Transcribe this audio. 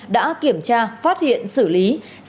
đã kiểm tra phát hiện xử lý